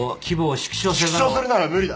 縮小するなら無理だ。